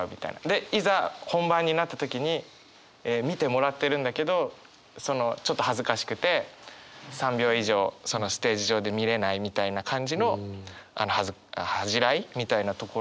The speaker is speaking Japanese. でいざ本番になった時に見てもらってるんだけどちょっと恥ずかしくて３秒以上そのステージ上で見れないみたいな感じの恥じらいみたいなところも出てて。